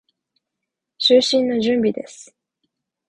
就寝の準備です。